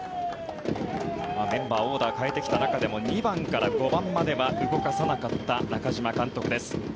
メンバー、オーダーを変えてきた中でも２番から５番までは動かさなかった中嶋監督です。